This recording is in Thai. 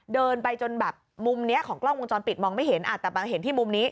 เดินไปจนแบบมุมนี้ของกล้องวงจรปิดมองไม่เห็นแต่เห็นที่มุมนี้